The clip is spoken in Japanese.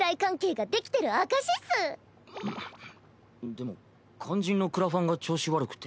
でも肝心のクラファンが調子悪くて。